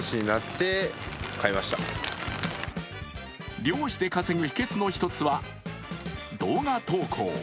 漁師で稼ぐ秘訣の一つは動画同行。